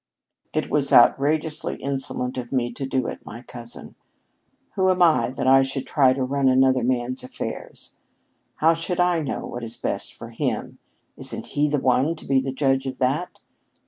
"It was outrageously insolent of me to do it, my cousin. Who am I that I should try to run another man's affairs? How should I know what is best for him isn't he the one to be the judge of that?